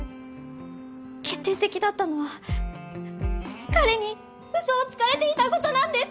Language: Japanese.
決定的だったのは彼にウソをつかれていたことなんです！